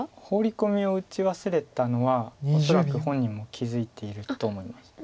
ホウリ込みを打ち忘れたのは恐らく本人も気付いていると思います。